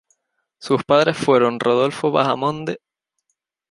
Sus padres fueron Rodolfo Bahamonde Larenas y Flora Hoppe Galilea.